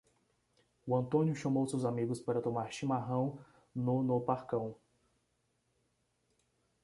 O Antônio chamou seus amigos para tomar chimarrão no no Parcão.